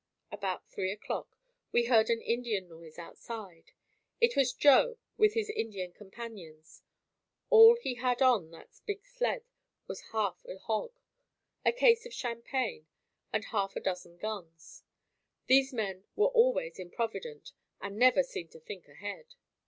About three o'clock, we heard an Indian noise outside. It was Joe with his Indian companions. All he had on that big sled was half a hog, a case of champagne and half a dozen guns. These men were always improvident and never seemed to think ahead.